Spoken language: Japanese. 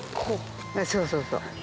そうそうそう。